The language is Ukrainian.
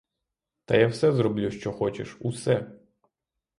Та я все зроблю, що хочеш, усе!